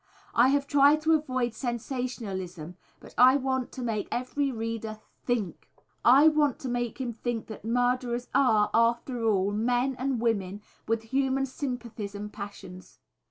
I have tried to avoid sensationalism, but I want to make every reader think. I want to make him think that murderers are, after all, men and women, with human sympathies and passions.